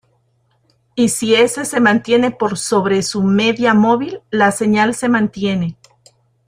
Y si S se mantiene por sobre su media móvil, la señal se mantiene.